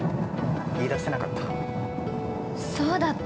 言い出せなかった。